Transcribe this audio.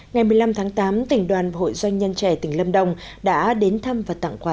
ngày một mươi năm tháng tám tỉnh đoàn hội doanh nhân trẻ tỉnh lâm đồng đã đến thăm và tặng quà